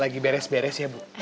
lagi beres beres ya bu